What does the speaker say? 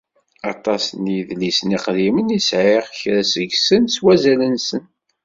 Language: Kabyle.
Aṭas n yedlisen iqdimen i sεiɣ. Kra seg-sen s wazal-nsen.